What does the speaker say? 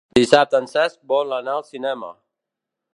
Dissabte en Cesc vol anar al cinema.